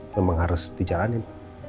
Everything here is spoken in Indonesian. memang harus dijalankan